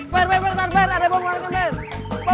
per per per ade bom orangnya ber